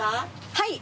はい。